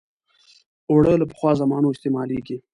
اوړه له پخوا زمانو استعمالېږي